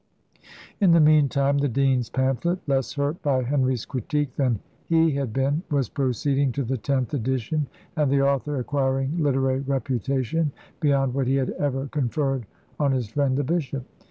In the meantime, the dean's pamphlet (less hurt by Henry's critique than he had been) was proceeding to the tenth edition, and the author acquiring literary reputation beyond what he had ever conferred on his friend the bishop.